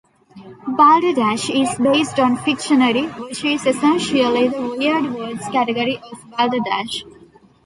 "Balderdash" is based on "Fictionary", which is essentially the Weird Words category of "Balderdash".